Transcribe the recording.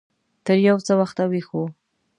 تر يو څه وخته ويښ و.